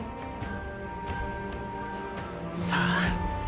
さあ？